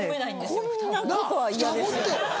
こんな。